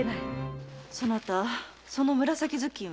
そなたその紫頭巾は？